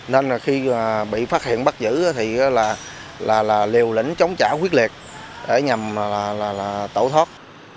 nên khi bị phát hiện bắt giữ thì là liều lĩnh chống trả huyết liệt để nhằm tẩu thoát